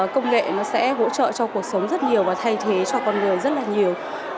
công nghệ sẽ hỗ trợ cho cuộc sống rất nhiều và thay thế cho con người rất nhiều